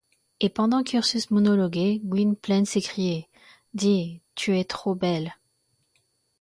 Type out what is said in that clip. Et pendant qu’Ursus monologuait, Gwynplaine s’écriait: — Dea, tu es trop belle.